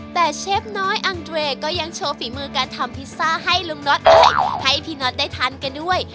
แต่เชฟน้อยอังเรย์ก็ยังโชว์ฝีมือการทำพิซซ่าให้ลุงน็อตเอ้ยให้พี่น็อตได้ทานกันด้วย